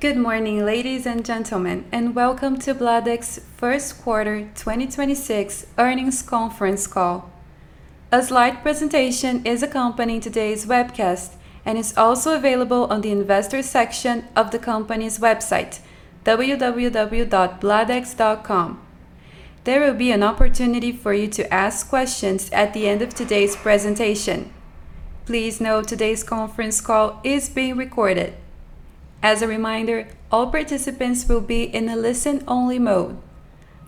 Good morning, ladies and gentlemen, and welcome to Bladex Q1 2026 Earnings Conference Call. A slide presentation is accompanying today's webcast and is also available on the investor section of the company's website, www.bladex.com. There will be an opportunity for you to ask questions at the end of today's presentation. Please note today's conference call is being recorded. As a reminder, all participants will be in a listen only mode.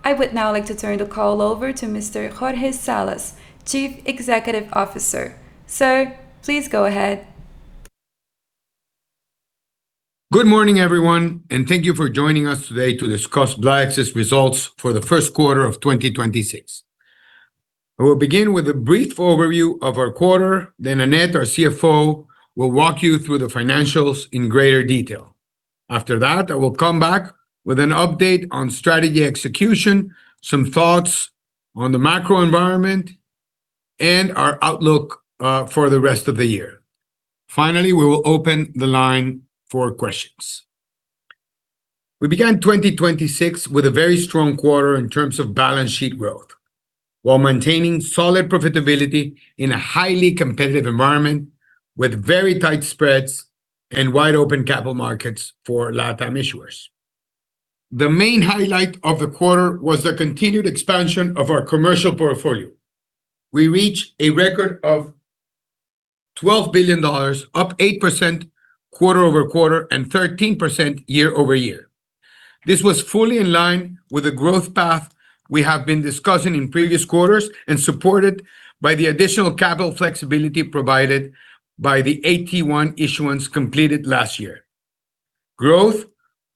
I would now like to turn the call over to Mr. Jorge Salas, Chief Executive Officer. Sir, please go ahead. Good morning, everyone, and thank you for joining us today to discuss Bladex's results for Q1 of 2026. I will begin with a brief overview of our quarter, then Annette, our CFO, will walk you through the financials in greater detail. After that, I will come back with an update on strategy execution, some thoughts on the macro environment, and our outlook for the rest of the year. Finally, we will open the line for questions. We began 2026 with a very strong quarter in terms of balance sheet growth, while maintaining solid profitability in a highly competitive environment with very tight spreads and wide open capital markets for LatAm issuers. The main highlight of the quarter was the continued expansion of our commercial portfolio. We reached a record of $12 billion, up 8% quarter-over-quarter and 13% year-over-year. This was fully in line with the growth path we have been discussing in previous quarters and supported by the additional capital flexibility provided by the AT1 issuance completed last year. Growth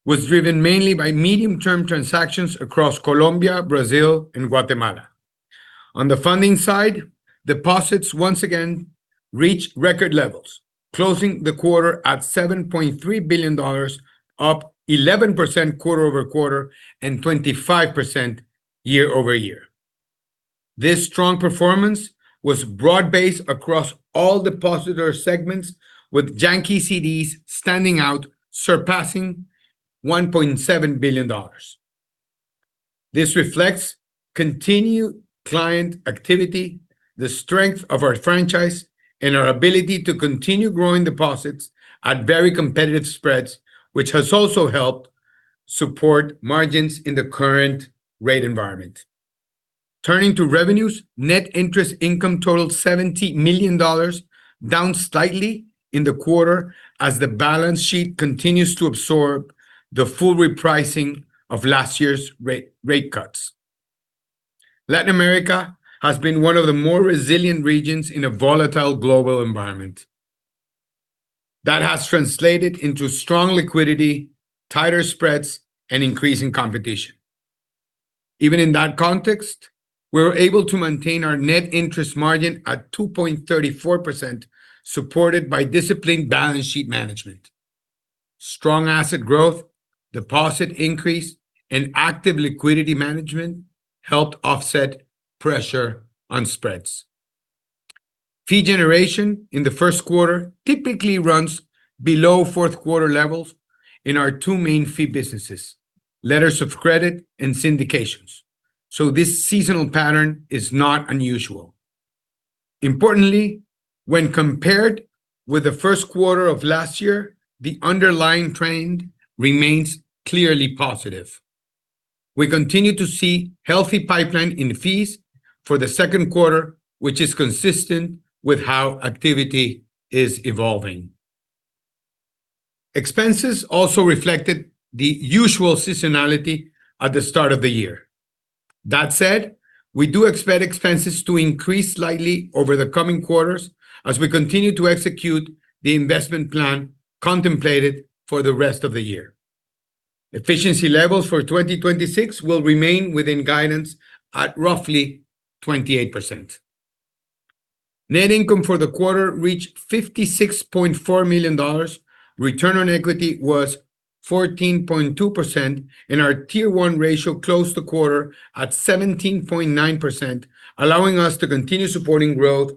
was driven mainly by medium-term transactions across Colombia, Brazil, and Guatemala. On the funding side, deposits once again reached record levels, closing the quarter at $7.3 billion, up 11% quarter-over-quarter and 25% year-over-year. This strong performance was broad-based across all depositor segments, with Yankee CDs standing out, surpassing $1.7 billion. This reflects continued client activity, the strength of our franchise, and our ability to continue growing deposits at very competitive spreads, which has also helped support margins in the current rate environment. Turning to revenues, net interest income totaled $70 million, down slightly in the quarter as the balance sheet continues to absorb the full repricing of last year's rate cuts. Latin America has been one of the more resilient regions in a volatile global environment. That has translated into strong liquidity, tighter spreads, and increasing competition. Even in that context, we were able to maintain our net interest margin at 2.34%, supported by disciplined balance sheet management. Strong asset growth, deposit increase, and active liquidity management helped offset pressure on spreads. Fee generation in Q1 typically runs below Q4 levels in our two main fee businesses, letters of credit and syndications. This seasonal pattern is not unusual. Importantly, when compared with Q1 of last year, the underlying trend remains clearly positive. We continue to see healthy pipeline in fees for Q2, which is consistent with how activity is evolving. Expenses also reflected the usual seasonality at the start of the year. That said, we do expect expenses to increase slightly over the coming quarters as we continue to execute the investment plan contemplated for the rest of the year. Efficiency levels for 2026 will remain within guidance at roughly 28%. Net income for the quarter reached $56.4 million. Return on equity was 14.2%, and our Tier 1 ratio closed the quarter at 17.9%, allowing us to continue supporting growth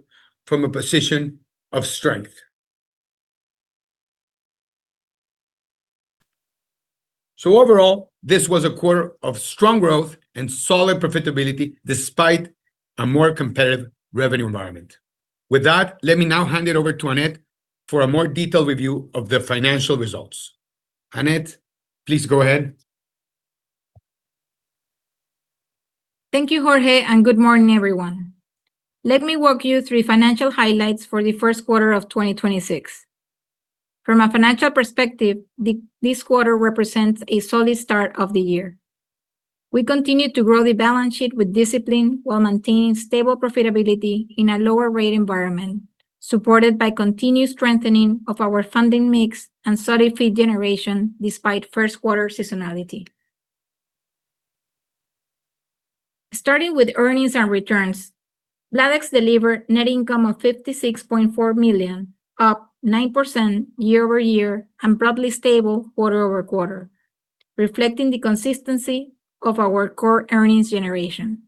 from a position of strength. Overall, this was a quarter of strong growth and solid profitability despite a more competitive revenue environment. With that, let me now hand it over to Annette for a more detailed review of the financial results. Annette, please go ahead. Thank you, Jorge, and good morning, everyone. Let me walk you through financial highlights for Q1 of 2026. From a financial perspective, this quarter represents a solid start of the year. We continued to grow the balance sheet with discipline while maintaining stable profitability in a lower rate environment, supported by continued strengthening of our funding mix and solid fee generation despite Q1 seasonality. Starting with earnings and returns, Bladex delivered net income of $56.4 million, up 9% year-over-year and broadly stable quarter-over-quarter, reflecting the consistency of our core earnings generation.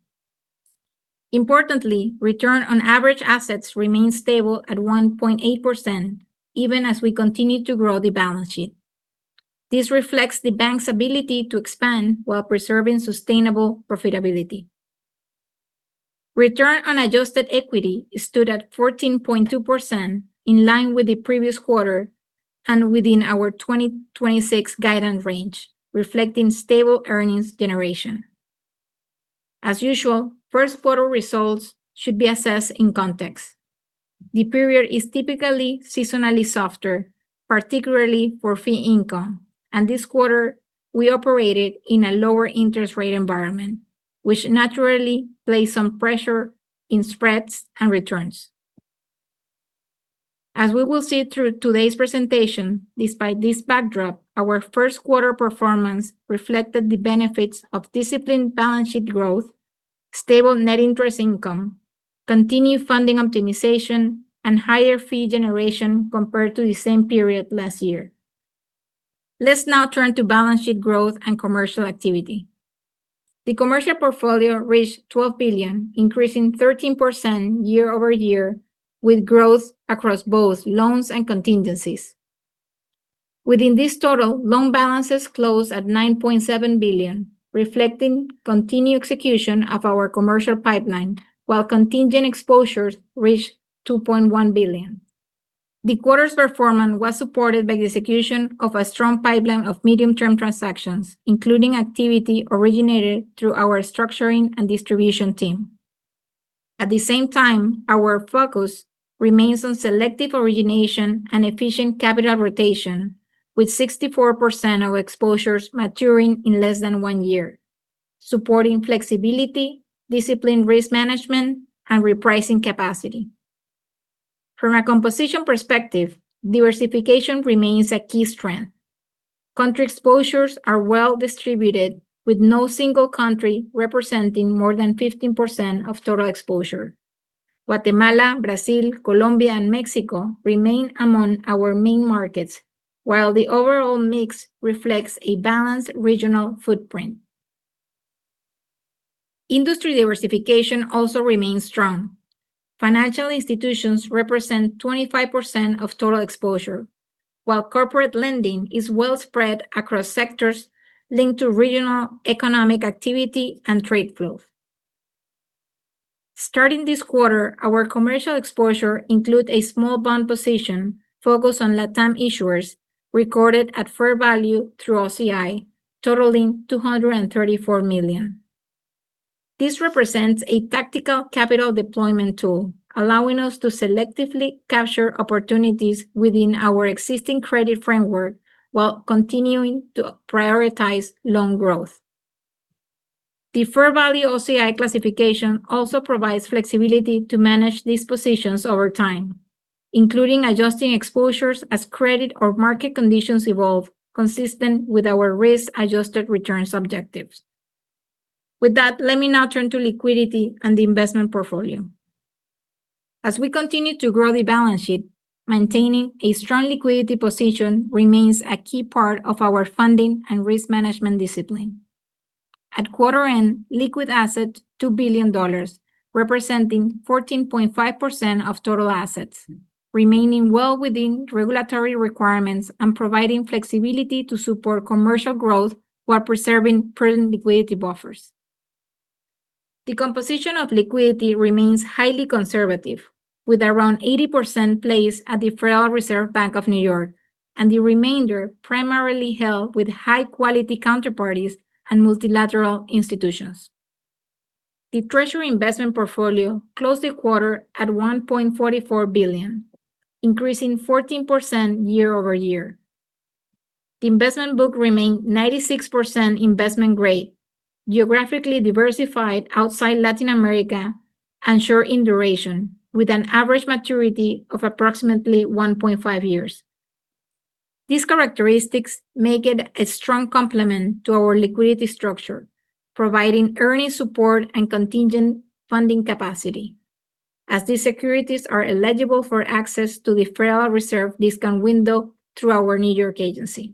Importantly, return on average assets remains stable at 1.8% even as we continue to grow the balance sheet. This reflects the bank's ability to expand while preserving sustainable profitability. Return on adjusted equity stood at 14.2% in line with the previous quarter and within our 2026 guidance range, reflecting stable earnings generation. As usual, Q1 results should be assessed in context. The period is typically seasonally softer, particularly for fee income, and this quarter we operated in a lower interest rate environment, which naturally place some pressure in spreads and returns. As we will see through today's presentation, despite this backdrop, our Q1 performance reflected the benefits of disciplined balance sheet growth, stable net interest income, continued funding optimization, and higher fee generation compared to the same period last year. Let's now turn to balance sheet growth and commercial activity. The commercial portfolio reached $12 billion, increasing 13% year-over-year, with growth across both loans and contingencies. Within this total, loan balances closed at $9.7 billion, reflecting continued execution of our commercial pipeline, while contingent exposures reached $2.1 billion. The quarter's performance was supported by the execution of a strong pipeline of medium-term transactions, including activity originated through our structuring and distribution team. At the same time, our focus remains on selective origination and efficient capital rotation, with 64% of exposures maturing in less than one year, supporting flexibility, disciplined risk management, and repricing capacity. From a composition perspective, diversification remains a key strength. Country exposures are well-distributed, with no single country representing more than 15% of total exposure. Guatemala, Brazil, Colombia, and Mexico remain among our main markets, while the overall mix reflects a balanced regional footprint. Industry diversification also remains strong. Financial institutions represent 25% of total exposure, while corporate lending is well spread across sectors linked to regional economic activity and trade growth. Starting this quarter, our commercial exposure include a small bond position focused on LatAm issuers recorded at fair value through OCI, totaling $234 million. This represents a tactical capital deployment tool, allowing us to selectively capture opportunities within our existing credit framework while continuing to prioritize loan growth. The fair value OCI classification also provides flexibility to manage these positions over time, including adjusting exposures as credit or market conditions evolve consistent with our risk-adjusted returns objectives. With that, let me now turn to liquidity and the investment portfolio. As we continue to grow the balance sheet, maintaining a strong liquidity position remains a key part of our funding and risk management discipline. At quarter end, liquid asset $2 billion, representing 14.5% of total assets, remaining well within regulatory requirements and providing flexibility to support commercial growth while preserving current liquidity buffers. The composition of liquidity remains highly conservative, with around 80% placed at the Federal Reserve Bank of New York, and the remainder primarily held with high quality counterparties and multilateral institutions. The Treasury investment portfolio closed the quarter at $1.44 billion, increasing 14% year-over-year. The investment book remained 96% investment grade, geographically diversified outside Latin America, and short in duration, with an average maturity of approximately 1.5 years. These characteristics make it a strong complement to our liquidity structure, providing earning support and contingent funding capacity, as the securities are eligible for access to the Federal Reserve discount window through our New York agency.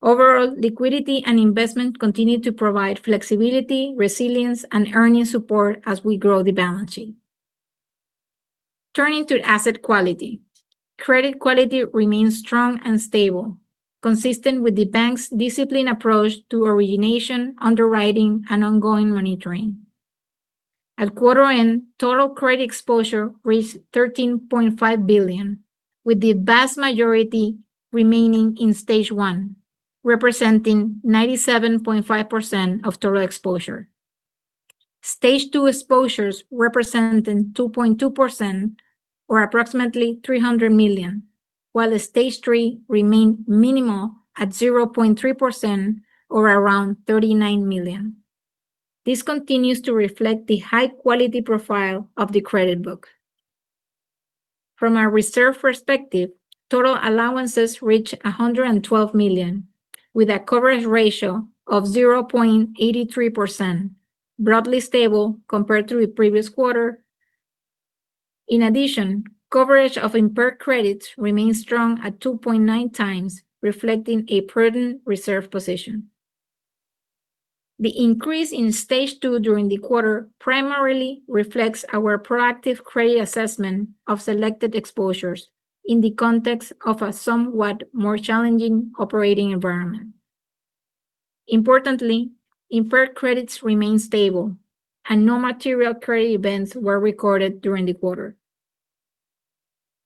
Overall, liquidity and investment continue to provide flexibility, resilience, and earning support as we grow the balance sheet. Turning to asset quality. Credit quality remains strong and stable, consistent with the bank's disciplined approach to origination, underwriting, and ongoing monitoring. At quarter end, total credit exposure reached $13.5 billion, with the vast majority remaining in stage one, representing 97.5% of total exposure. Stage two exposures representing 2.2% or approximately $300 million, while the stage three remain minimal at 0.3% or around $39 million. This continues to reflect the high quality profile of the credit book. From a reserve perspective, total allowances reach $112 million, with a coverage ratio of 0.83%, broadly stable compared to the previous quarter. In addition, coverage of impaired credits remains strong at 2.9x, reflecting a prudent reserve position. The increase in Stage 2 during the quarter primarily reflects our proactive credit assessment of selected exposures in the context of a somewhat more challenging operating environment. Importantly, impaired credits remain stable, and no material credit events were recorded during the quarter.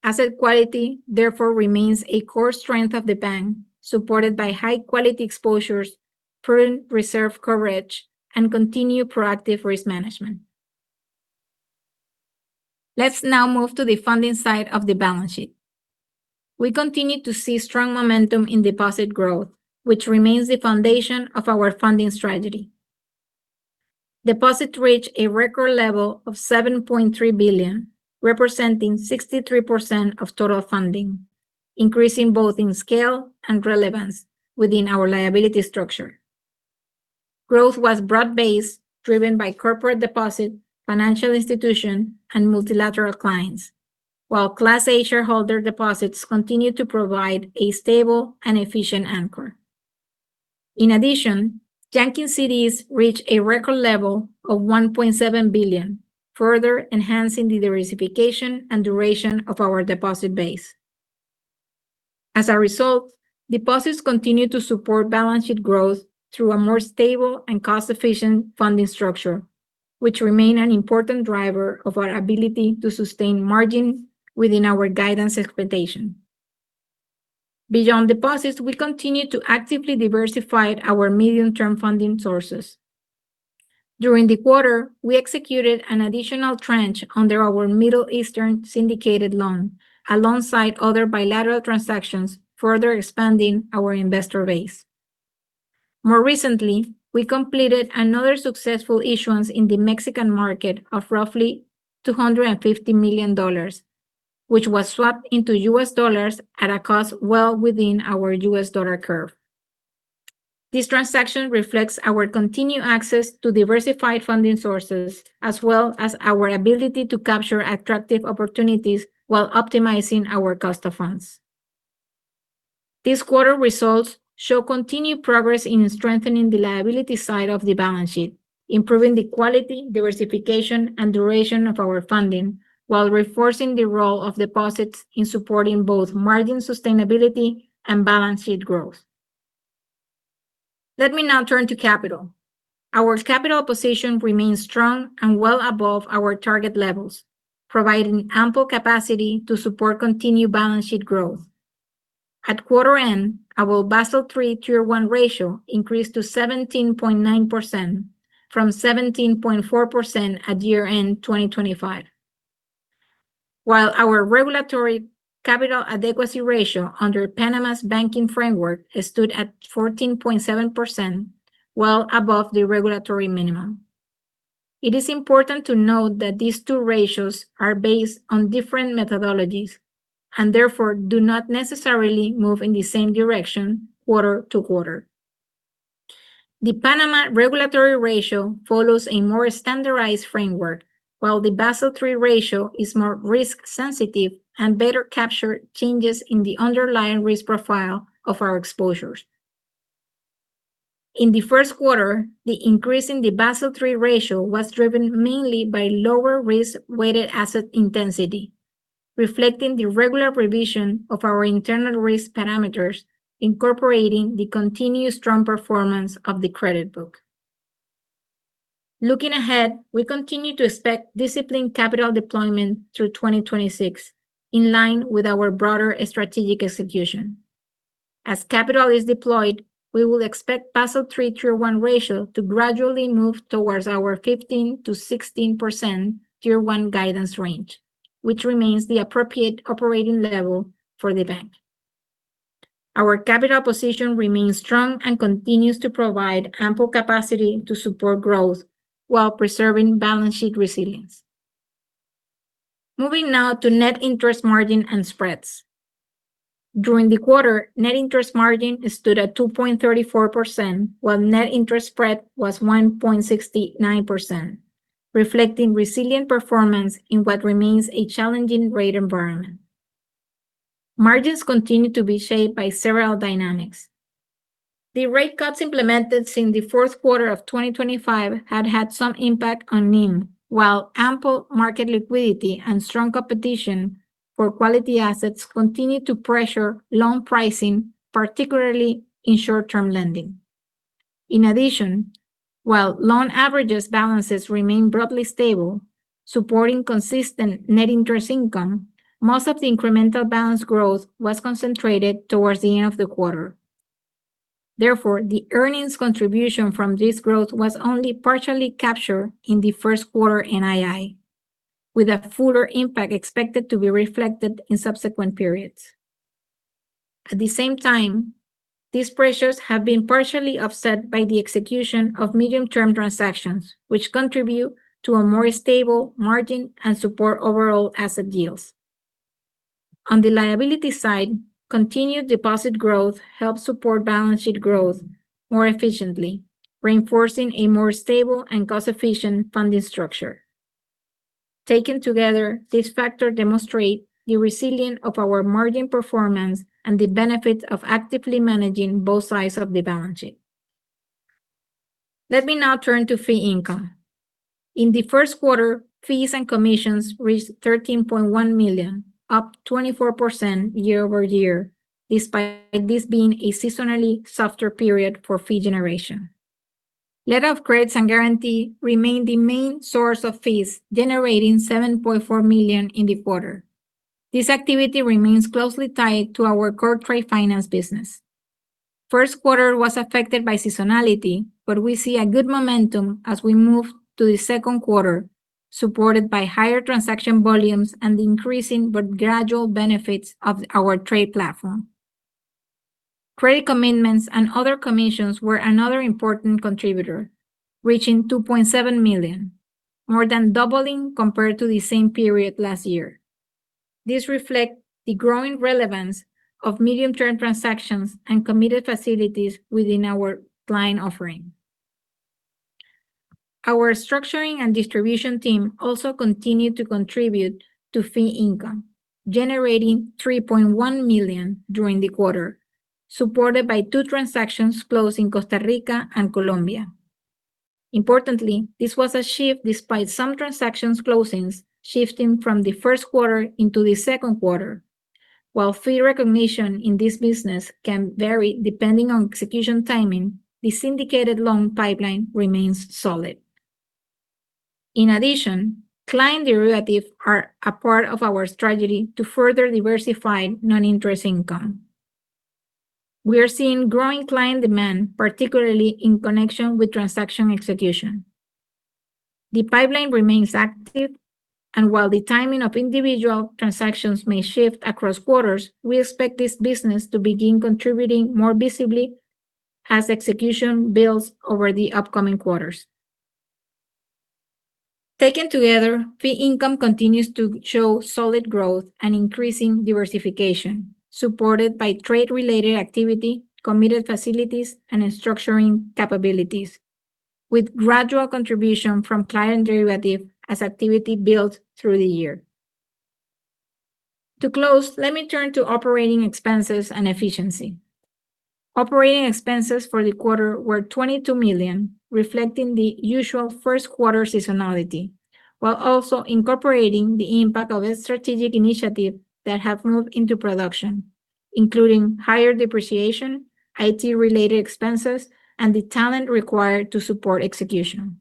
Asset quality therefore remains a core strength of the bank, supported by high quality exposures, prudent reserve coverage, and continued proactive risk management. Let's now move to the funding side of the balance sheet. We continue to see strong momentum in deposit growth, which remains the foundation of our funding strategy. Deposits reached a record level of $7.3 billion, representing 63% of total funding, increasing both in scale and relevance within our liability structure. Growth was broad-based, driven by corporate deposit, financial institution, and multilateral clients, while Class A shareholder deposits continued to provide a stable and efficient anchor. In addition, Yankee CDs reached a record level of $1.7 billion, further enhancing the diversification and duration of our deposit base. As a result, deposits continue to support balance sheet growth through a more stable and cost-efficient funding structure, which remain an important driver of our ability to sustain margins within our guidance expectation. Beyond deposits, we continue to actively diversify our medium-term funding sources. During the quarter, we executed an additional tranche under our Middle Eastern syndicated loan, alongside other bilateral transactions, further expanding our investor base. More recently, we completed another successful issuance in the Mexican market of roughly $250 million, which was swapped into U.S. dollars at a cost well within our U.S. dollar curve. This transaction reflects our continued access to diversified funding sources as well as our ability to capture attractive opportunities while optimizing our cost of funds. These quarter results show continued progress in strengthening the liability side of the balance sheet, improving the quality, diversification, and duration of our funding while reinforcing the role of deposits in supporting both margin sustainability and balance sheet growth. Let me now turn to capital. Our capital position remains strong and well above our target levels, providing ample capacity to support continued balance sheet growth. At quarter end, our Basel III Tier 1 ratio increased to 17.9% from 17.4% at year-end 2025. While our regulatory capital adequacy ratio under Panama's banking framework stood at 14.7%, well above the regulatory minimum. It is important to note that these two ratios are based on different methodologies and therefore do not necessarily move in the same direction quarter to quarter. The Panama regulatory ratio follows a more standardized framework, while the Basel III ratio is more risk-sensitive and better capture changes in the underlying risk profile of our exposures. In Q1, the increase in the Basel III ratio was driven mainly by lower risk-weighted asset intensity, reflecting the regular revision of our internal risk parameters, incorporating the continued strong performance of the credit book. Looking ahead, we continue to expect disciplined capital deployment through 2026, in line with our broader strategic execution. As capital is deployed, we will expect Basel III Tier 1 ratio to gradually move towards our 15%-16% Tier 1 guidance range, which remains the appropriate operating level for the bank. Our capital position remains strong and continues to provide ample capacity to support growth while preserving balance sheet resilience. Moving now to net interest margin and spreads. During the quarter, net interest margin stood at 2.34%, while net interest spread was 1.69%, reflecting resilient performance in what remains a challenging rate environment. Margins continued to be shaped by several dynamics. The rate cuts implemented since the Q4 of 2025 have had some impact on NIM, while ample market liquidity and strong competition for quality assets continued to pressure loan pricing, particularly in short-term lending. In addition, while loan average balances remain broadly stable, supporting consistent net interest income, most of the incremental balance growth was concentrated towards the end of the quarter. Therefore, the earnings contribution from this growth was only partially captured in Q1 NII, with a fuller impact expected to be reflected in subsequent periods. At the same time, these pressures have been partially offset by the execution of medium-term transactions, which contribute to a more stable margin and support overall asset yields. On the liability side, continued deposit growth helps support balance sheet growth more efficiently, reinforcing a more stable and cost-efficient funding structure. Taken together, these factors demonstrate the resilience of our margin performance and the benefit of actively managing both sides of the balance sheet. Let me now turn to fee income. In Q1, fees and commissions reached $13.1 million, up 24% year-over-year, despite this being a seasonally softer period for fee generation. Letters of credit and guarantee remain the main source of fees, generating $7.4 million in the quarter. This activity remains closely tied to our core trade finance business. Q1 was affected by seasonality, but we see good momentum as we move to Q2, supported by higher transaction volumes and the increasing but gradual benefits of our trade platform. Credit commitments and other commissions were another important contributor, reaching $2.7 million, more than doubling compared to the same period last year. This reflect the growing relevance of medium-term transactions and committed facilities within our client offering. Our structuring and distribution team also continued to contribute to fee income, generating $3.1 million during the quarter, supported by two transactions closed in Costa Rica and Colombia. Importantly, this was achieved despite some transactions closings shifting from Q1 into Q2. While fee recognition in this business can vary depending on execution timing, the syndicated loan pipeline remains solid. In addition, client derivatives are a part of our strategy to further diversify non-interest income. We are seeing growing client demand, particularly in connection with transaction execution. The pipeline remains active, and while the timing of individual transactions may shift across quarters, we expect this business to begin contributing more visibly as execution builds over the upcoming quarters. Taken together, fee income continues to show solid growth and increasing diversification, supported by trade-related activity, committed facilities, and structuring capabilities, with gradual contribution from client derivative as activity builds through the year. To close, let me turn to operating expenses and efficiency. Operating expenses for the quarter were $22 million, reflecting the usual Q1 seasonality, while also incorporating the impact of a strategic initiative that have moved into production, including higher depreciation, IT-related expenses, and the talent required to support execution.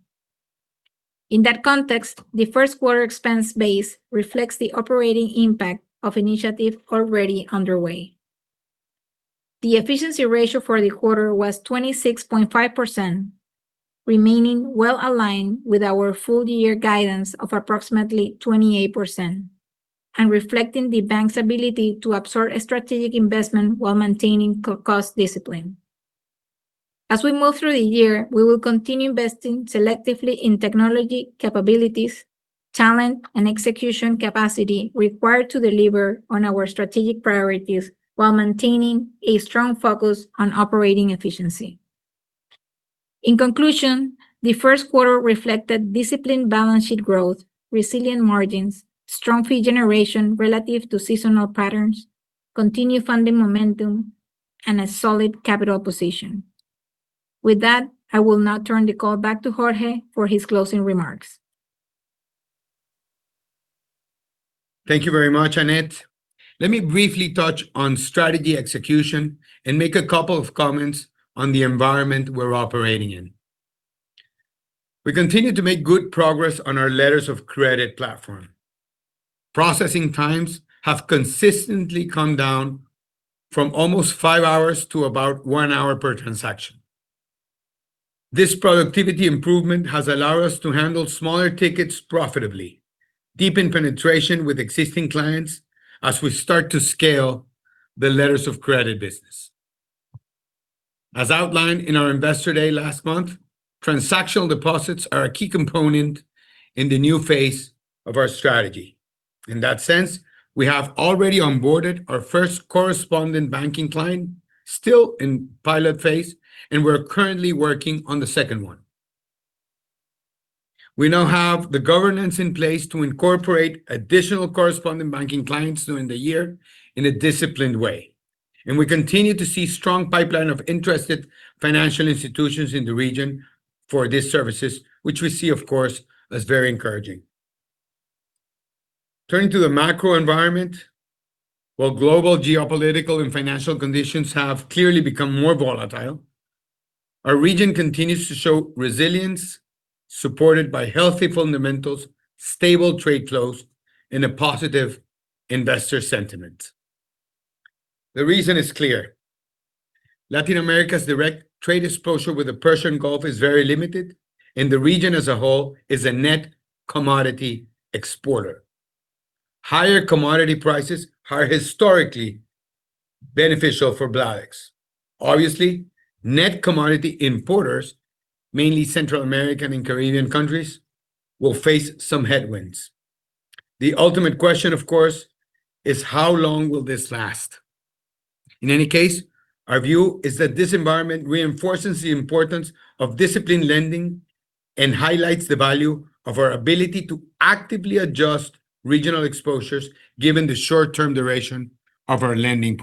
In that context, Q1 expense base reflects the operating impact of initiative already underway. The efficiency ratio for the quarter was 26.5%, remaining well aligned with our full year guidance of approximately 28% and reflecting the bank's ability to absorb a strategic investment while maintaining cost discipline. As we move through the year, we will continue investing selectively in technology capabilities, talent, and execution capacity required to deliver on our strategic priorities while maintaining a strong focus on operating efficiency. In conclusion, Q1 reflected disciplined balance sheet growth, resilient margins, strong fee generation relative to seasonal patterns, continued funding momentum, and a solid capital position. With that, I will now turn the call back to Jorge for his closing remarks. Thank you very much, Annette. Let me briefly touch on strategy execution and make a couple of comments on the environment we're operating in. We continue to make good progress on our letters of credit platform. Processing times have consistently come down from almost five hours to about one hour per transaction. This productivity improvement has allowed us to handle smaller tickets profitably, deepen penetration with existing clients as we start to scale the letters of credit business. As outlined in our Investor Day last month, transactional deposits are a key component in the new phase of our strategy. In that sense, we have already onboarded our first correspondent banking client, still in pilot phase, and we're currently working on the second one. We now have the governance in place to incorporate additional correspondent banking clients during the year in a disciplined way, and we continue to see strong pipeline of interested financial institutions in the region for these services, which we see, of course, as very encouraging. Turning to the macro environment, while global geopolitical and financial conditions have clearly become more volatile, our region continues to show resilience supported by healthy fundamentals, stable trade flows, and a positive investor sentiment. The reason is clear. Latin America's direct trade exposure with the Persian Gulf is very limited, and the region as a whole is a net commodity exporter. Higher commodity prices are historically beneficial for Bladex. Obviously, net commodity importers, mainly Central American and Caribbean countries, will face some headwinds. The ultimate question, of course, is how long will this last? In any case, our view is that this environment reinforces the importance of disciplined lending and highlights the value of our ability to actively adjust regional exposures given the short-term duration of our lending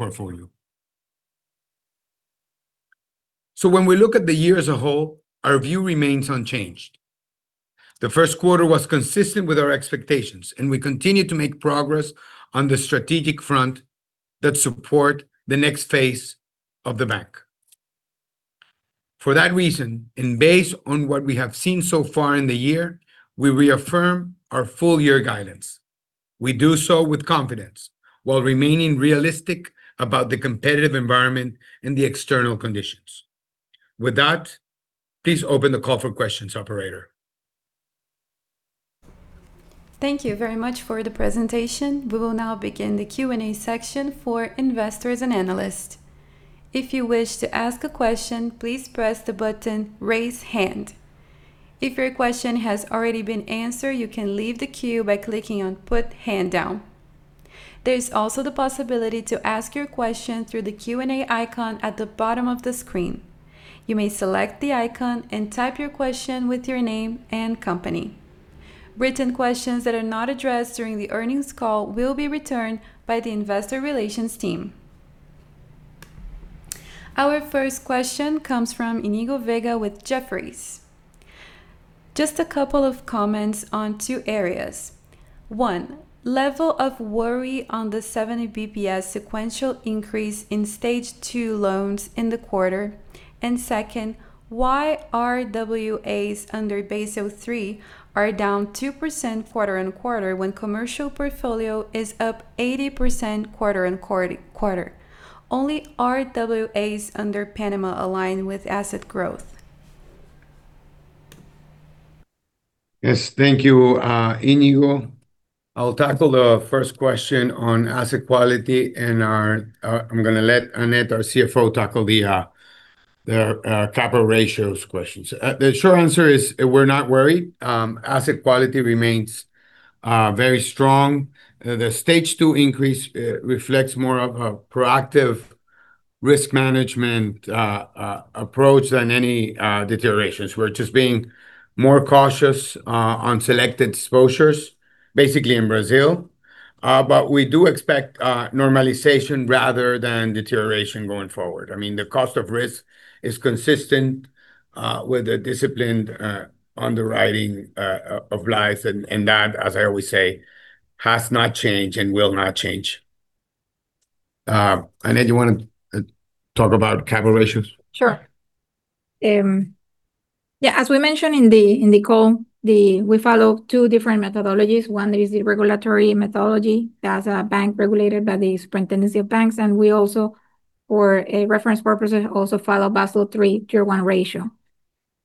portfolio. When we look at the year as a whole, our view remains unchanged. Q1 was consistent with our expectations, and we continue to make progress on the strategic front that support the next phase of the bank. For that reason, and based on what we have seen so far in the year, we reaffirm our full year guidance. We do so with confidence while remaining realistic about the competitive environment and the external conditions. With that, please open the call for questions, operator. Thank you very much for the presentation. We will now begin the Q&A section for investors and analysts. If you wish to ask a question, please press the button Raise Hand. If your question has already been answered, you can leave the queue by clicking on Put Hand Down. There is also the possibility to ask your question through the Q&A icon at the bottom of the screen. You may select the icon and type your question with your name and company. Written questions that are not addressed during the earnings call will be returned by the investor relations team. Our first question comes from Iñigo Vega with Jefferies. Just a couple of comments on two areas. One, level of worry on the 70 basis points sequential increase in Stage 2 loans in the quarter. Second, why RWAs under Basel III are down 2% quarter-on-quarter when commercial portfolio is up 80% quarter-on-quarter? Only RWAs under Panama align with asset growth. Yes, thank you, Iñigo. I'll tackle the first question on asset quality, and I'm gonna let Annette, our Chief Finance Officer, tackle the capital ratios questions. The short answer is we're not worried. Asset quality remains very strong. The stage 2 increase reflects more of a proactive risk management approach than any deteriorations. We're just being more cautious on selected exposures, basically in Brazil. We do expect normalization rather than deterioration going forward. I mean, the cost of risk is consistent with the disciplined underwriting of Laith, and that, as I always say, has not changed and will not change. Annette, you wanna talk about capital ratios? Sure. Yeah, as we mentioned in the call, we follow two different methodologies. One is the regulatory methodology. That's a bank regulated by the Superintendency of Banks. We also, for a reference purpose, also follow Basel III Tier 1 ratio.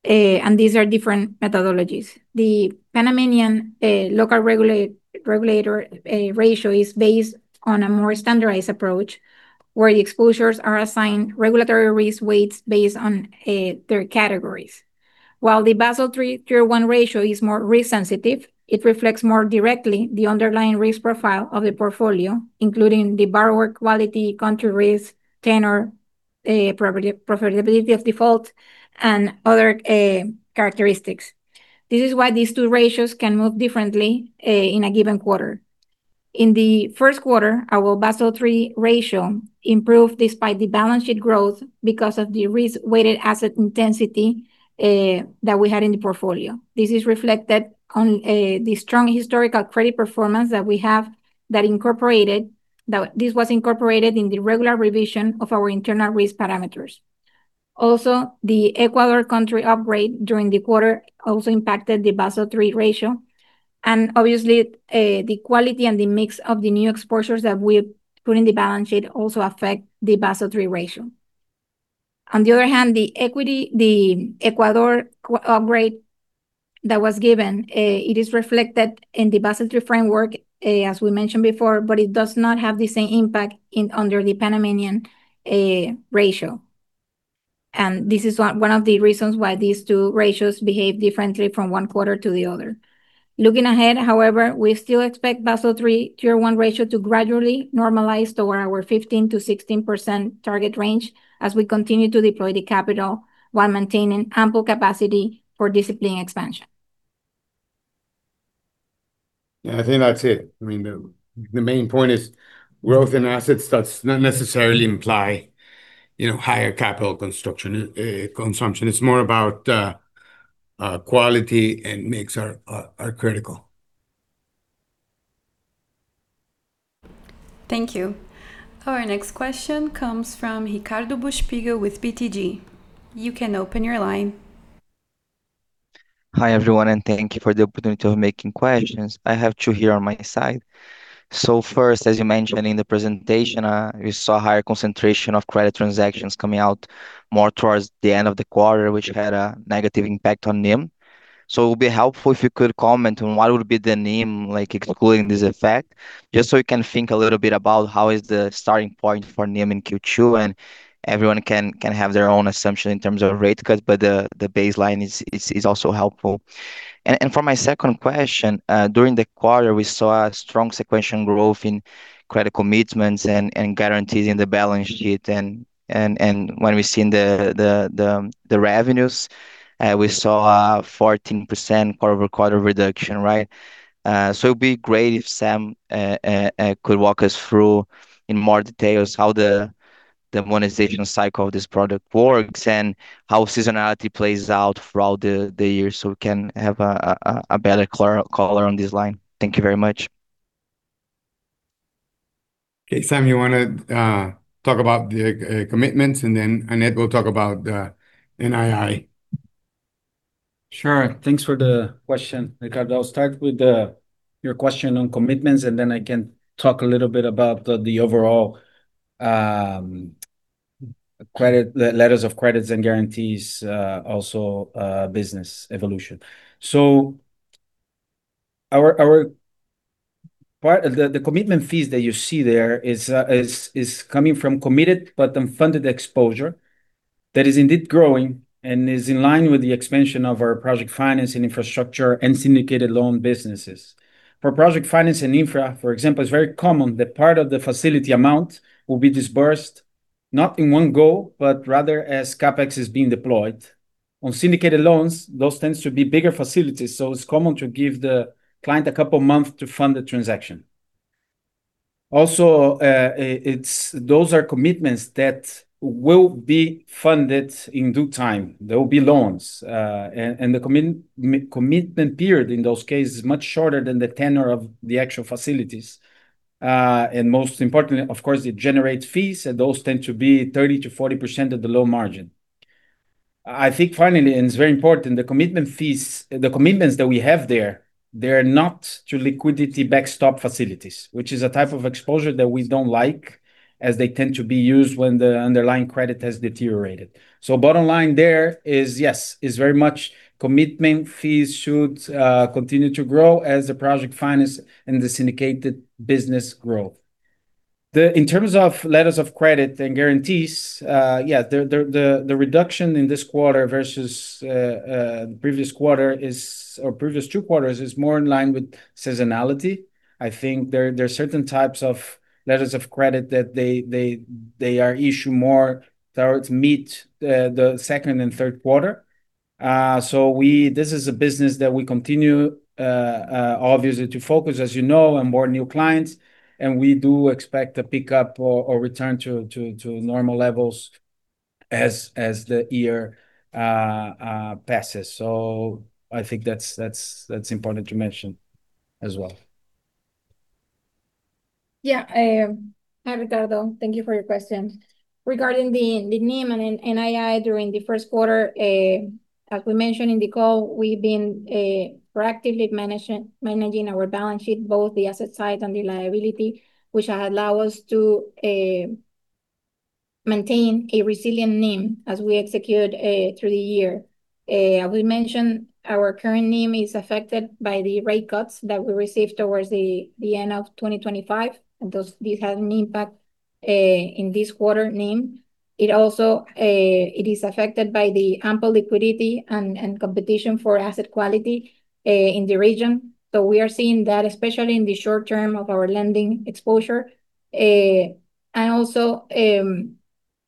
These are different methodologies. The Panamanian local regulator ratio is based on a more standardized approach, where the exposures are assigned regulatory risk weights based on their categories. While the Basel III Tier 1 ratio is more risk sensitive, it reflects more directly the underlying risk profile of the portfolio, including the borrower quality, country risk, tenor, probability of default, and other characteristics. This is why these two ratios can move differently in a given quarter. In Q1, our Basel III ratio improved despite the balance sheet growth because of the risk-weighted asset intensity that we had in the portfolio. This is reflected on the strong historical credit performance that we have that incorporated, this was incorporated in the regular revision of our internal risk parameters. The Ecuador country upgrade during the quarter also impacted the Basel III ratio. Obviously, the quality and the mix of the new exposures that we put in the balance sheet also affect the Basel III ratio. On the other hand, the Ecuador upgrade that was given, it is reflected in the Basel III framework, as we mentioned before, but it does not have the same impact under the Panamanian ratio. This is one of the reasons why these two ratios behave differently from one quarter to the other. Looking ahead, however, we still expect Basel III Tier 1 ratio to gradually normalize toward our 15%-16% target range as we continue to deploy the capital while maintaining ample capacity for disciplined expansion. Yeah, I think that's it. I mean, the main point is growth in assets does not necessarily imply, you know, higher capital consumption. It's more about quality and mix are critical. Thank you. Our next question comes from Ricardo Buchpiguel with BTG. You can open your line. Hi, everyone. Thank you for the opportunity of making questions. I have two here on my side. First, as you mentioned in the presentation, you saw a higher concentration of credit transactions coming out more towards the end of the quarter, which had a negative impact on NIM. It would be helpful if you could comment on what would be the NIM, like excluding this effect, just so we can think a little bit about how is the starting point for NIM in Q2, and everyone can have their own assumption in terms of rate cuts, but the baseline is also helpful. For my second question, during the quarter we saw a strong sequential growth in credit commitments and guarantees in the balance sheet and when we've seen the revenues, we saw a 14% quarter-over-quarter reduction, right? It'd be great if Sam could walk us through in more details how the monetization cycle of this product works and how seasonality plays out throughout the year, so we can have a better color on this line. Thank you very much. Okay. Sam, you wanna talk about the commitments, then Annette will talk about NII? Sure. Thanks for the question, Ricardo. I'll start with your question on commitments. Then I can talk a little bit about the overall letters of credits and guarantees, also business evolution. The commitment fees that you see there is coming from committed but unfunded exposure that is indeed growing and is in line with the expansion of our project finance and infrastructure and syndicated loan businesses. For project finance and infra, for example, it's very common that part of the facility amount will be disbursed not in one go, but rather as CapEx is being deployed. On syndicated loans, those tends to be bigger facilities. It's common to give the client a couple month to fund the transaction. Also, those are commitments that will be funded in due time. There will be loans, and the commitment period in those cases is much shorter than the tenure of the actual facilities. Most importantly, of course, it generates fees, and those tend to be 30%-40% of the low margin. I think finally, and it's very important, the commitment fees, the commitments that we have there, they're not to liquidity backstop facilities, which is a type of exposure that we don't like as they tend to be used when the underlying credit has deteriorated. Bottom line there is, yes, it's very much commitment fees should continue to grow as the project finance and the syndicated business grow. In terms of letters of credit and guarantees, yeah, the reduction in this quarter versus previous quarter is, or previous two quarters, is more in line with seasonality. I think there are certain types of letters of credit that they are issued more towards mid, Q2 and Q3. This is a business that we continue, obviously to focus, as you know, on board new clients, and we do expect a pickup or return to normal levels as the year passes. I think that's important to mention as well. Yeah. Hi, Ricardo. Thank you for your question. Regarding the NIM and NII during Q1, as we mentioned in the call, we've been proactively managing our balance sheet, both the asset side and the liability, which allow us to maintain a resilient NIM as we execute through the year. As we mentioned, our current NIM is affected by the rate cuts that we received towards the end of 2025, and these have an impact in this quarter NIM. It also, it is affected by the ample liquidity and competition for asset quality in the region. We are seeing that, especially in the short term of our lending exposure. Also,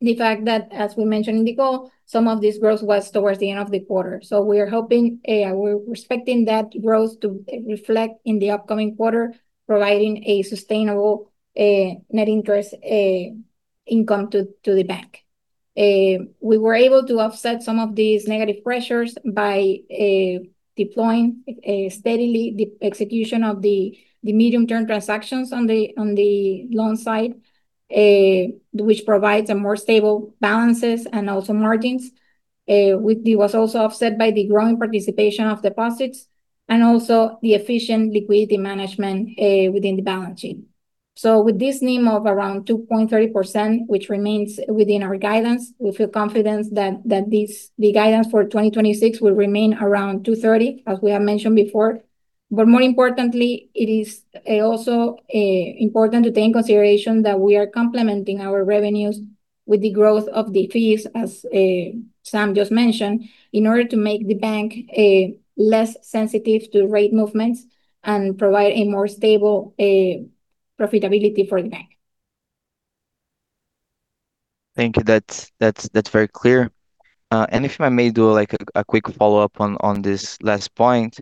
the fact that, as we mentioned in the call, some of this growth was towards the end of the quarter. We are hoping, we're expecting that growth to reflect in the upcoming quarter, providing a sustainable net interest income to the bank. We were able to offset some of these negative pressures by deploying steadily the execution of the medium-term transactions on the loan side, which provides a more stable balances and also margins. was also offset by the growing participation of deposits and also the efficient liquidity management within the balance sheet. With this NIM of around 2.30%, which remains within our guidance, we feel confident that this, the guidance for 2026 will remain around 2.30%, as we have mentioned before. More importantly, it is also important to take consideration that we are complementing our revenues with the growth of the fees, as Sam just mentioned, in order to make the bank less sensitive to rate movements and provide a more stable profitability for the bank. Thank you. That's very clear. If I may do, like a quick follow-up on this last point.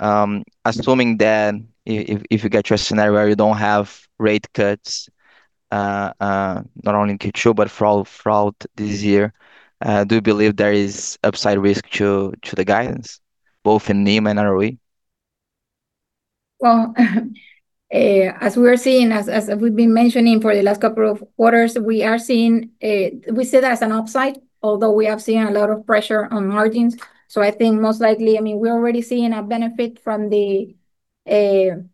Assuming that if you get your scenario where you don't have rate cuts, not only in Q2, but throughout this year, do you believe there is upside risk to the guidance, both in NIM and ROE? Well, as we are seeing, as we've been mentioning for the last couple of quarters, we are seeing, we see that as an upside, although we have seen a lot of pressure on margins. I think most likely, I mean, we're already seeing a benefit from the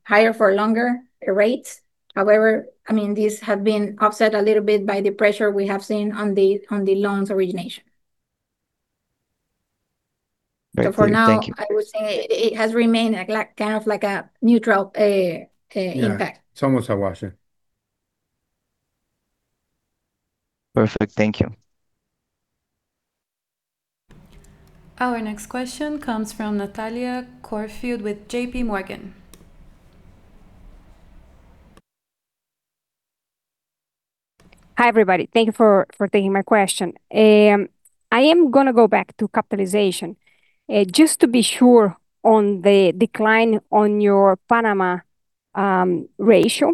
higher-for-longer rates. However, I mean, these have been offset a little bit by the pressure we have seen on the loans origination. Great. Thank you. For now, I would say it has remained kind of like a neutral impact. Yeah. It's almost a wash. Perfect. Thank you. Our next question comes from Natalia Corfield with J.P. Morgan. Hi, everybody. Thank you for taking my question. I am gonna go back to capitalization, just to be sure on the decline on your Panama ratio,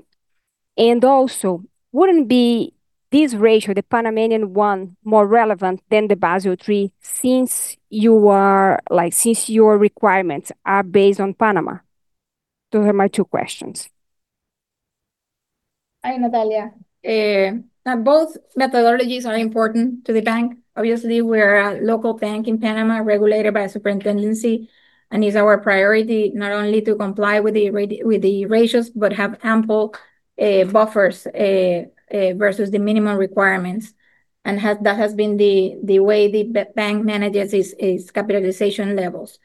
and also wouldn't be this ratio, the Panamanian one, more relevant than the Basel III since you are, like, since your requirements are based on Panama? Those are my two questions. Hi, Natalia. Both methodologies are important to the bank. Obviously, we're a local bank in Panama, regulated by a superintendency, and it's our priority not only to comply with the ratios, but have ample buffers versus the minimum requirements, and that has been the way the bank manages its capitalization levels.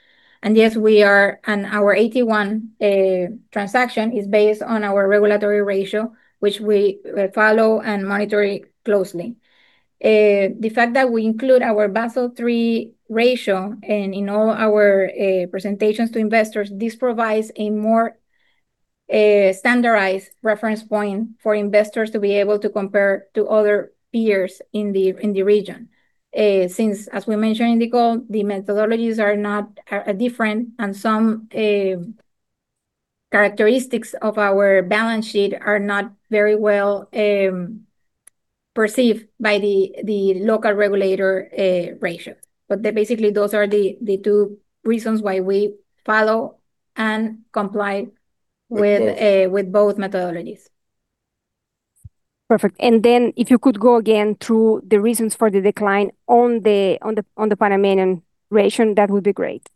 Yes, we are, and our AT1 transaction is based on our regulatory ratio, which we will follow and monitor it closely. The fact that we include our Basel III ratio in, you know, our presentations to investors, this provides a more standardized reference point for investors to be able to compare to other peers in the region. Since, as we mentioned, the methodologies are not different, and some characteristics of our balance sheet are not very well perceived by the local regulator ratio. Basically, those are the two reasons why we follow and comply with both methodologies. With both. Perfect. If you could go again through the reasons for the decline on the Panamanian ratio, that would be great.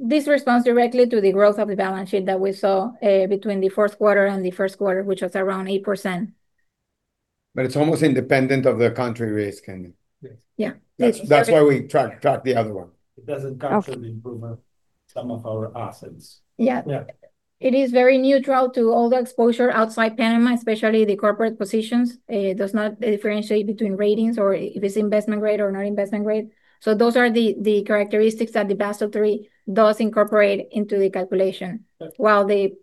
This responds directly to the growth of the balance sheet that we saw between the Q4 and Q1, which was around 8%. It's almost independent of the country risk. Yeah. That's why we track the other one. Okay. It doesn't capture the improvement some of our assets. Yeah. Yeah. It is very neutral to all the exposure outside Panama, especially the corporate positions. It does not differentiate between ratings or if it's investment grade or not investment grade. Those are the characteristics that the Basel III does incorporate into the calculation. That's- While the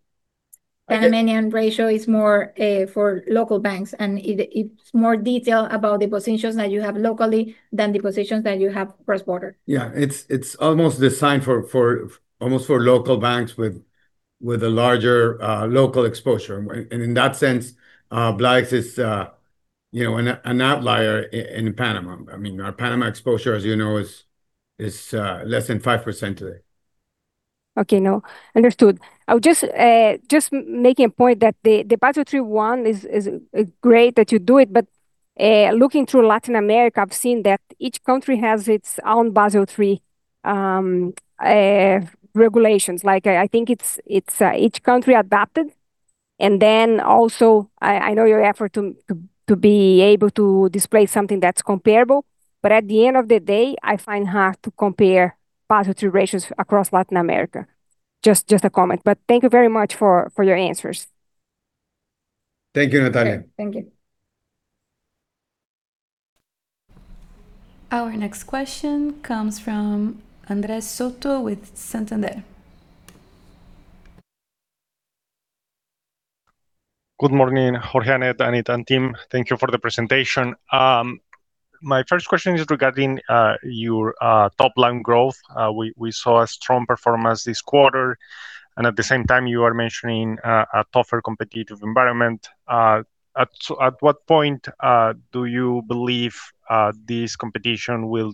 Panamanian- I get- ....ratio is more for local banks, and it's more detailed about the positions that you have locally than the positions that you have cross-border. Yeah. It's almost designed for almost for local banks with a larger local exposure. In that sense, Bladex is, you know, a outlier in Panama. I mean, our Panama exposure, as you know, is less than 5% today. Okay. No. Understood. I would just making a point that the Basel III one is great that you do it, but looking through Latin America, I've seen that each country has its own Basel III regulations. Like, I think it's each country adapted, and then also I know your effort to be able to display something that's comparable, but at the end of the day, I find hard to compare Basel III ratios across Latin America. Just a comment, but thank you very much for your answers. Thank you, Natalia. Thank you. Our next question comes from Andres Soto with Santander. Good morning, Jorge, Annette, Anita, and team. Thank you for the presentation. My first question is regarding your top line growth. We saw a strong performance this quarter. At the same time, you are mentioning a tougher competitive environment. At what point do you believe this competition will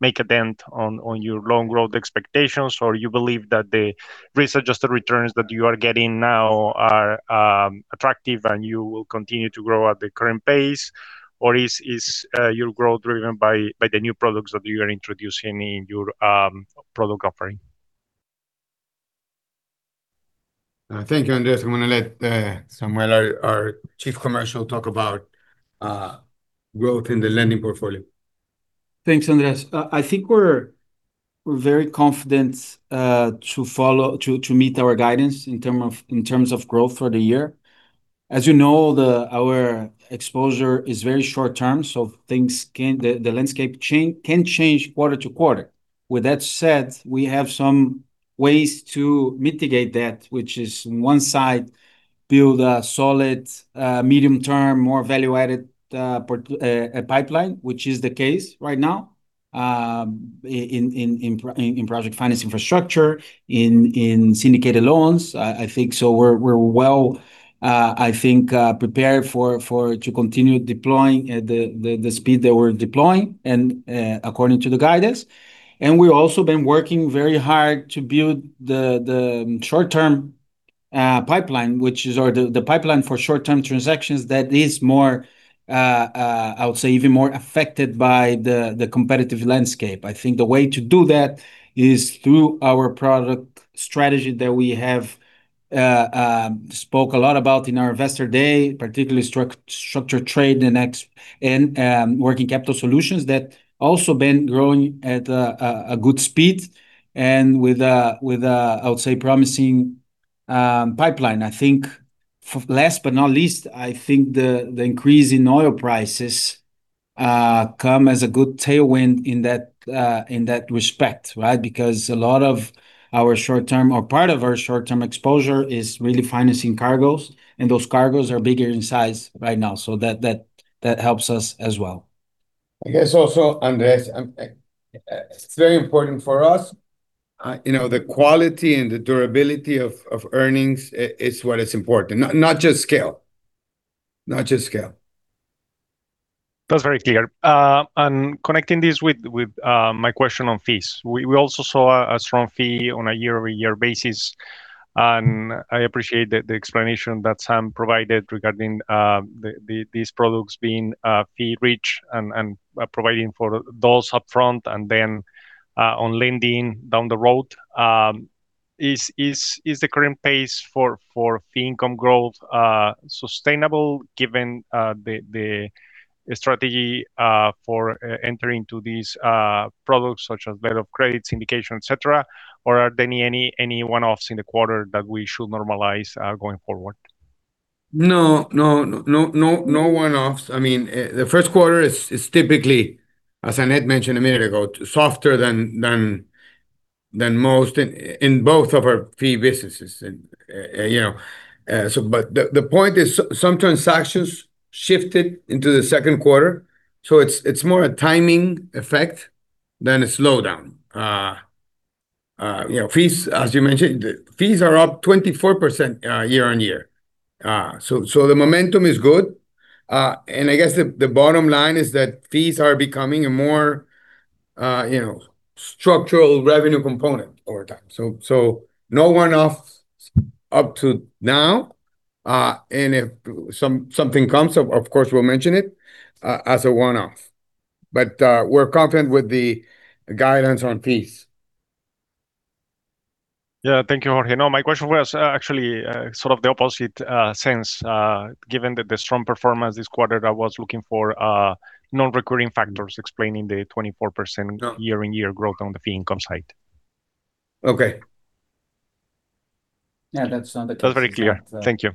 make a dent on your long growth expectations? You believe that the risk-adjusted returns that you are getting now are attractive, and you will continue to grow at the current pace? Is your growth driven by the new products that you are introducing in your product offering? Thank you, Andres. I'm gonna let Samuel, our Chief Commercial talk about growth in the lending portfolio. Thanks, Andres. I think we're very confident to meet our guidance in terms of growth for the year. As you know, our exposure is very short term, so things can, the landscape can change quarter to quarter. With that said, we have some ways to mitigate that, which is one side, build a solid, medium term, more value added pipeline, which is the case right now, in project finance infrastructure, in syndicated loans. I think so we're well, I think, prepared to continue deploying at the speed that we're deploying and according to the guidance. We've also been working very hard to build the short-term pipeline, which is the pipeline for short-term transactions that is more, I would say even more affected by the competitive landscape. I think the way to do that is through our product strategy that we have spoke a lot about in our Investor Day, particularly structure trade and working capital solutions that also been growing at a good speed and with a, I would say promising pipeline. Last but not least, I think the increase in oil prices come as a good tailwind in that respect, right? A lot of our short-term or part of our short-term exposure is really financing cargoes, and those cargoes are bigger in size right now. That helps us as well. I guess also, Andres, it's very important for us, you know, the quality and the durability of earnings is what is important. Not just scale. Not just scale. That's very clear. Connecting this with my question on fees, we also saw a strong fee on a year-over-year basis, and I appreciate the explanation that Sam provided regarding these products being fee rich and providing for those upfront and then on lending down the road. Is the current pace for fee income growth sustainable given the strategy for entering to these products such as Letters of Credit, indication, et cetera, or are there any one-offs in the quarter that we should normalize going forward? No one-offs. I mean, Q1 is typically, as Annette mentioned a minute ago, softer than most in both of our fee businesses and, you know. The point is some transactions shifted into Q2, so it's more a timing effect than a slowdown. You know, fees, as you mentioned, fees are up 24%, year on year. The momentum is good. I guess the bottom line is that fees are becoming a more, you know, structural revenue component over time. No one-offs up to now. If something comes up, of course, we'll mention it as a one-off. We're confident with the guidance on fees. Yeah. Thank you, Jorge. My question was, actually, sort of the opposite, since, given the strong performance this quarter, I was looking for non-recurring factors explaining the 24%. No.... year-on-year growth on the fee income side. Okay. Yeah, that's on the case. That was very clear. Thank you.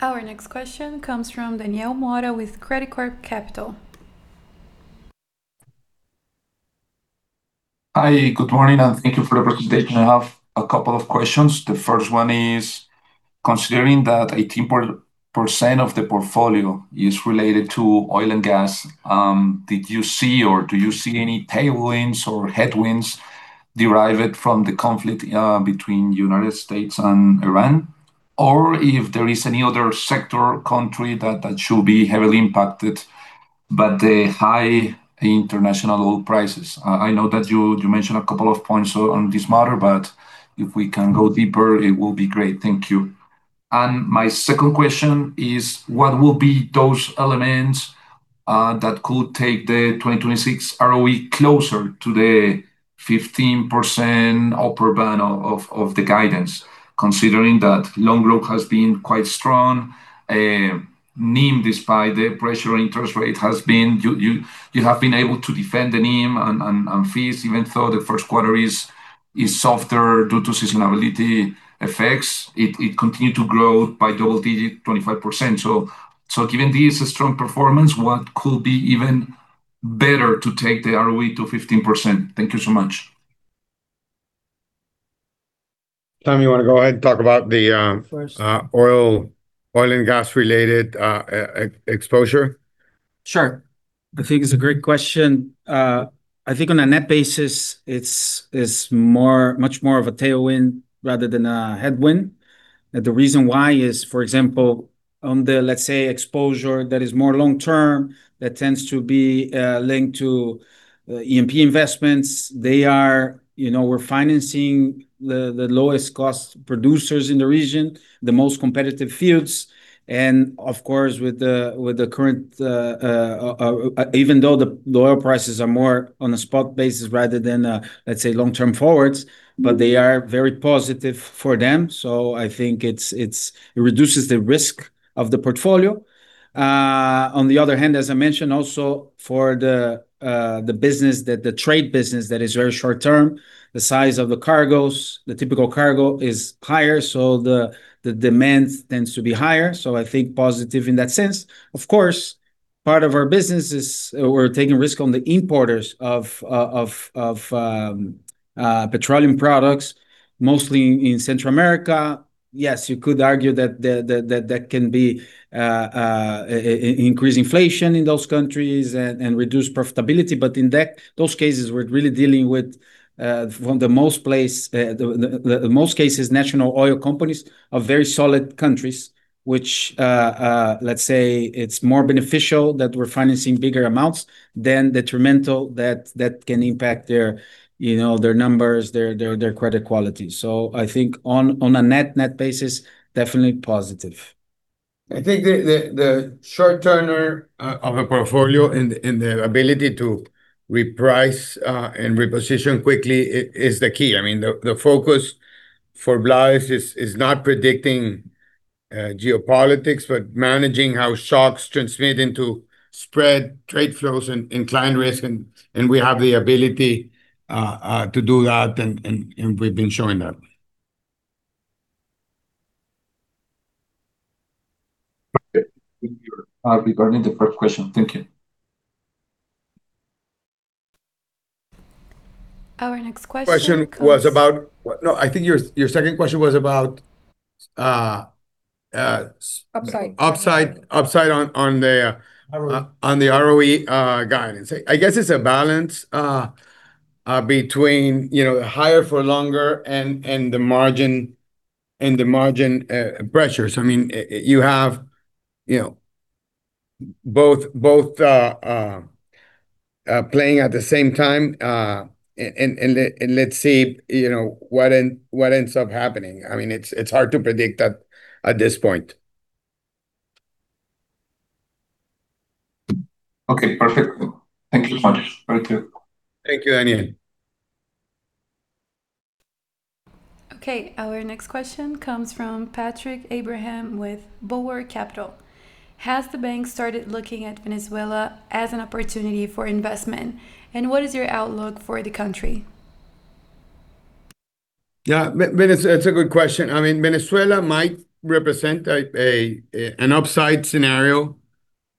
Our next question comes from Daniel Mora with Credicorp Capital. Hi. Good morning, and thank you for the presentation. I have a couple of questions. The first one is, considering that 18% of the portfolio is related to oil and gas, did you see or do you see any tailwinds or headwinds derived from the conflict between U.S. and Iran? If there is any other sector country that should be heavily impacted by the high international oil prices? I know that you mentioned a couple of points on this matter, but if we can go deeper, it will be great. Thank you. My second question is: What will be those elements that could take the 2026 ROE closer to the 15% upper bound of the guidance, considering that loan growth has been quite strong? NIM, despite the pressure interest rate, has been you, have been able to defend the NIM and fees even though Q1 is softer due to seasonality effects. It continued to grow by double digit, 25%. Given this strong performance, what could be even better to take the ROE to 15%? Thank you so much. Sam, you wanna go ahead and talk about the,... First.... oil and gas-related, exposure? Sure. I think it's a great question. I think on a net basis, it's much more of a tailwind rather than a headwind. The reason why is, for example, on the, let's say, exposure that is more long-term, that tends to be linked to E&P investments. You know, we're financing the lowest cost producers in the region, the most competitive fields and, of course, with the current, even though the oil prices are more on a spot basis rather than, let's say long-term forwards, but they are very positive for them. I think it reduces the risk of the portfolio. On the other hand, as I mentioned also for the trade business that is very short term, the size of the cargoes, the typical cargo is higher, so the demand tends to be higher. I think positive in that sense. Of course, part of our business is we're taking risk on the importers of petroleum products, mostly in Central America. Yes, you could argue that that can be increase inflation in those countries and reduce profitability. In that, those cases, we're really dealing with for the most part, the most cases, national oil companies of very solid countries, which, let's say it's more beneficial that we're financing bigger amounts than detrimental that can impact their, you know, their numbers, their credit quality. I think on a net basis, definitely positive. I think the short-termer of a portfolio and the ability to reprice and reposition quickly is the key. I mean, the focus for Bladex is not predicting geopolitics, but managing how shocks transmit into spread trade flows and inclined risk and we have the ability to do that and we've been showing that. Okay. Regarding the first question. Thank you. Our next question comes....... No, I think your second question was about. Upside. ....upside on the ROE guidance. I guess it's a balance, you know, between higher for longer and the margin pressures. I mean, you have, you know, both playing at the same time. Let's see, you know, what ends up happening. I mean, it's hard to predict at this point. Okay. Perfect. Thank you so much. Thank you. Thank you, Daniel. Okay. Our next question comes from Patrick Abraham with Bulwark Capital. Has the bank started looking at Venezuela as an opportunity for investment? What is your outlook for the country? Yeah. That's a good question. I mean, Venezuela might represent an upside scenario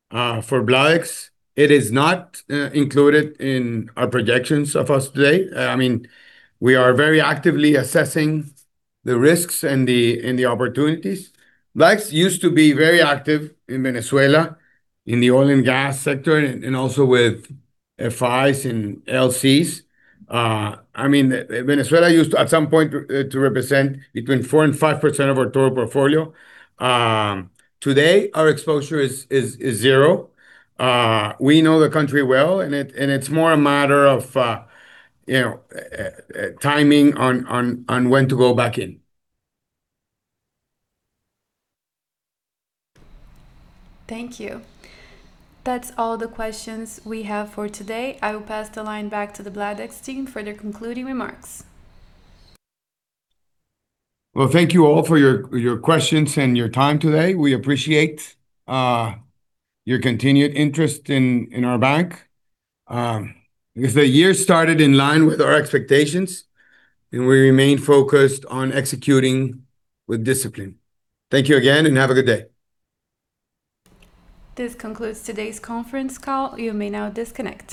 for Bladex. It is not included in our projections of as today. I mean, we are very actively assessing the risks and the opportunities. Bladex used to be very active in Venezuela, in the oil and gas sector and also with FIs and LCs. I mean, Venezuela used to at some point to represent between 4% and 5% of our total portfolio. Today, our exposure is zero. We know the country well, and it's more a matter of, you know, timing on when to go back in. Thank you. That's all the questions we have for today. I will pass the line back to the Bladex team for their concluding remarks. Well, thank you all for your questions and your time today. We appreciate your continued interest in our bank. As the year started in line with our expectations, we remain focused on executing with discipline. Thank you again and have a good day. This concludes today's conference call. You may now disconnect.